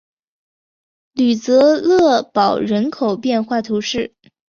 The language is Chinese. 吕泽勒堡人口变化图示